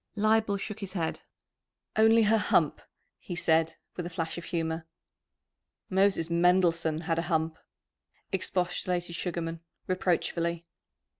Leibel shook his head. "Only her hump," he said, with a flash of humour. "Moses Mendelssohn had a hump," expostulated Sugarman reproachfully.